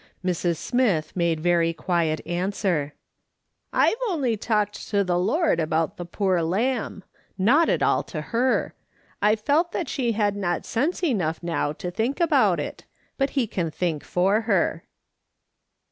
Mrs. Smith made very quiet answer :" I've only talked to the Lord about the poor lamb ; not at all to her. I felt that she had not sense enough now to think about it, but he can think for her."